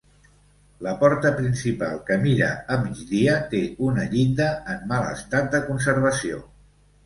La porta principal, que mira a migdia, té una llinda en mal estat de conservació.